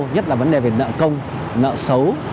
nhất là vấn đề về nợ công nợ xấu